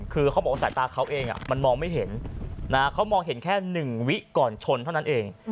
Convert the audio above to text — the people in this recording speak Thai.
คือเขาบอกว่าสายตาเขาเองมันมองไม่เห็นเขามองเห็นแค่๑วิก่อนชนเท่านั้นเอง